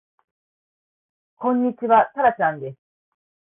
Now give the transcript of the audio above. こんにちはたらちゃんです